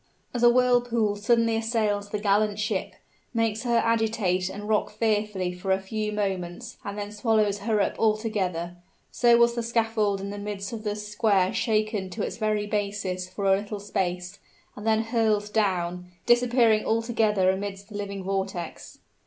As a whirlpool suddenly assails the gallant ship, makes her agitate and rock fearfully for a few moments and then swallows her up altogether, so was the scaffold in the midst of the square shaken to its very basis for a little space, and then hurled down, disappearing altogether amidst the living vortex.